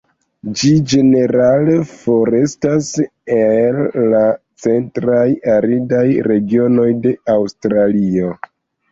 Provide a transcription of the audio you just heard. Ĝi ĝenerale forestas el la centraj aridaj regionoj de Aŭstralio.